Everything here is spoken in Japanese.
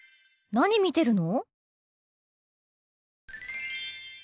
何見てるの？